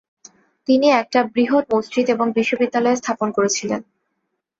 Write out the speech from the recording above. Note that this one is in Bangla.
তিনি একটা বৃহৎ মসজিদ এবং বিশ্ববিদ্যালয় স্থাপন করেছিলেন।